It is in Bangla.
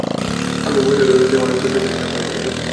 আপনি বহিরাগতদের অনেক তুচ্ছ তাচ্ছিল্য করেন, তাই না?